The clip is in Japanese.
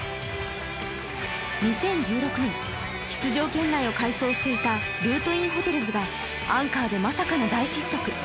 ２０１６年、出場圏内を快走していたルートインホテルズがアンカーで、まさかの大失速。